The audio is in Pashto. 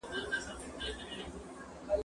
ما مخکي د سبا لپاره د ليکلو تمرين کړی وو!!